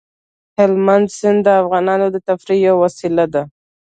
هلمند سیند د افغانانو د تفریح یوه وسیله ده.